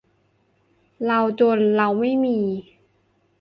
เลาจน เลาไม่มี